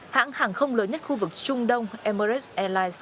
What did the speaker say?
hãng hàng không lớn nhất khu vực trung đông emirates airlines